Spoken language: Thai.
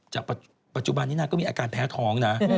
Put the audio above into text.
ปัจจุบันนี้นางก็มีอาการแพ้ท้องนะ